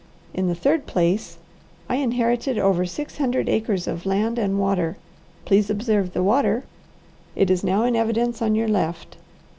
In the third place, I inherited over six hundred acres of land and water, please observe the water it is now in evidence on your left.